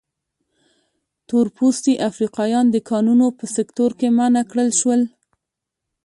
تور پوستي افریقایان د کانونو په سکتور کې منع کړل شول.